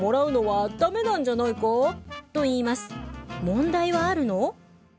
問題はあるの？